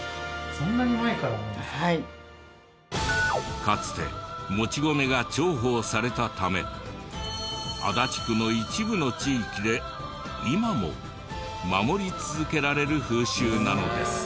かつてもち米が重宝されたため足立区の一部の地域で今も守り続けられる風習なのです。